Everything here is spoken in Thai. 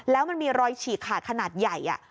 แล้วมันมีรอยฉีกขาดขนาดใหญ่